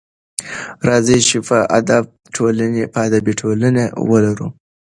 راځئ چې باادبه ټولنه ولرو.